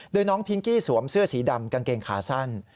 โดยน้องพิงกี้สวมเสื้อสีดำกางเกงขาสั้น